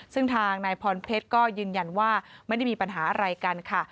ซึ่งทางนายพรเพชรก็ยืนยันว่าไม่ได้มีปัญหาอะไรกันค่ะ